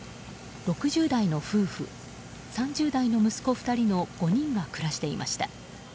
６０代の夫婦３０代の息子２人の５人が暮らしていました。